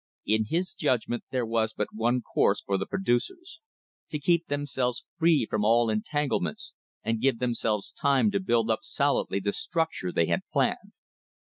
In his judgment there was but one course for the producers — to keep themselves free from all entanglements and give themselves time to build up solidly the structure they had planned.